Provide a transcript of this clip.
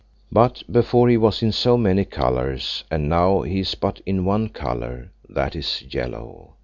But before he was in so many colours, and now he is but in one colour; that is yellow.